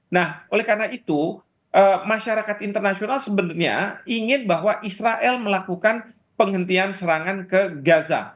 nah oleh karena itu masyarakat internasional sebenarnya ingin bahwa israel melakukan penghentian serangan ke gaza